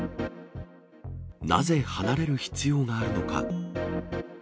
なぜ離れる必要があるのか。